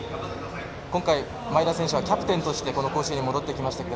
今回前田選手はキャプテンとしてこの甲子園に戻ってきましたが